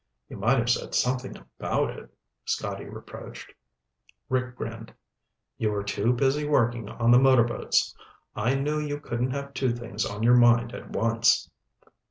"You might have said something about it," Scotty reproached. Rick grinned. "You were too busy working on the motorboats. I knew you couldn't have two things on your mind at once."